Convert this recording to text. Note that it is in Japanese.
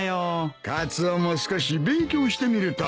カツオも少し勉強してみるといい。